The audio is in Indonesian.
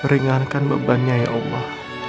ringankan bebannya ya allah